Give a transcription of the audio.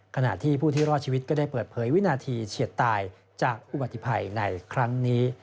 ขณะที่ผู้ที่รอดชีวิตก็ได้เปิดเผยวินาทีเฉียดตายจากอุบัติภัยในครั้งนี้